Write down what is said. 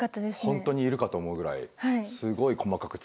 本当にいるかと思うぐらいすごい細かく作られてた。